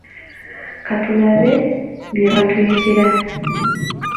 Ka tulabe bye batuyitira.